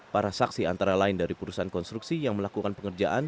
para saksi antara lain dari perusahaan konstruksi yang melakukan pengerjaan